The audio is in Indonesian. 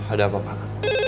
ada apa pak